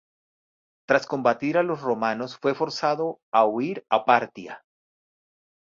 Tras combatir a los romanos fue forzado a huir a Partia.